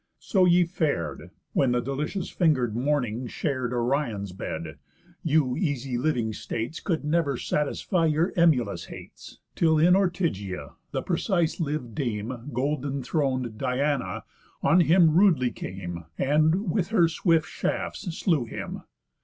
So ye far'd, When the delicious finger'd Morning shar'd Orion's bed; you easy living States Could never satisfy your emulous hates, Till in Ortygia the precise liv'd Dame, Gold thron'd Diana, on him rudely came, And with her swift shafts slew him.